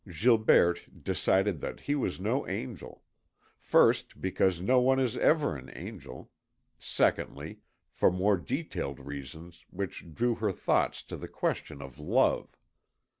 Gilberte decided that he was no angel; first, because one never is an angel; secondly, for more detailed reasons which drew her thoughts to the question of love.